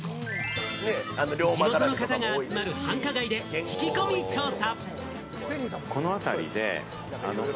地元の方が集まる繁華街で聞き込み調査。